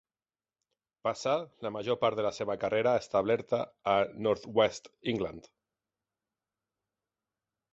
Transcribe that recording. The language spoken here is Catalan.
Passà la major part de la seva carrera establerta a North-West England.